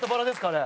あれ。